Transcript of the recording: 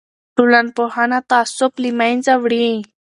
ټولنپوهنه تعصب له منځه وړي.